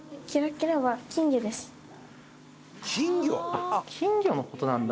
あっ金魚の事なんだ。